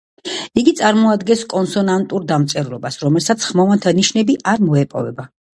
იგი წარმოადგენს კონსონანტურ დამწერლობას, რომელსაც ხმოვანთა ნიშნები არ მოეპოვება.